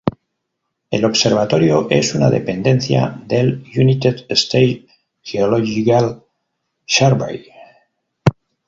El observatorio es una dependencia del United States Geological Survey.